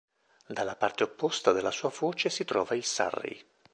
Dalla parte opposta della sua foce si trova il Surrey.